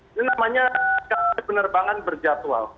ini namanya penerbangan berjadwal